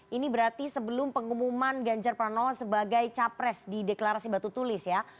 ini berarti sebelum pengumuman ganjar pranowo sebagai capres di deklarasi batu tulis ya